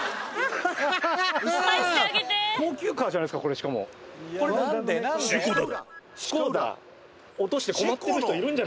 高級カーじゃないっすかこれしかもシュコダ？